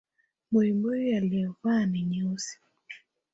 Buibui aliyovaa ni nyeusi